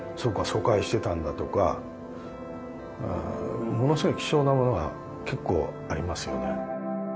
疎開してたんだ」とかものすごい貴重なものが結構ありますよね。